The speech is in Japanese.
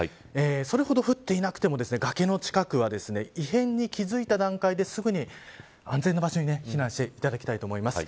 それほど降っていなくても崖の近くは異変に気付いた段階ですぐに安全な場所に避難していただきたいと思います。